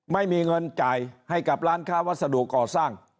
ไม่มีเงินจ่ายให้กับร้านค้าวัสดุก่อสร้าง